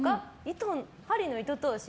針の糸通し。